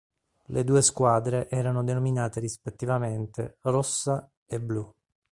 Le due squadre erano denominate rispettivamente "rossa" e "blu".